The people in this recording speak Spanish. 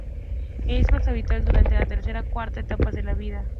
Es más habitual durante la tercera y cuarta etapas de vida.